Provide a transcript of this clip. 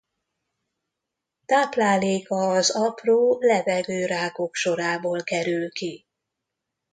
Tápláléka az apró lebegő rákok sorából kerül ki.